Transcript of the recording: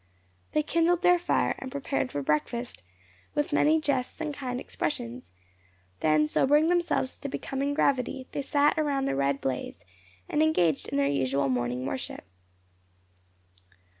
They kindled their fire, and prepared for breakfast, with many jests and kind expressions; then sobering themselves to a becoming gravity, they sat around the red blaze, and engaged in their usual morning worship.